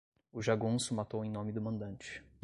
O jagunço matou em nome do mandante